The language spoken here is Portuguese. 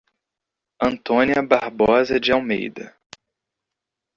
Antônia Barbosa de Almeida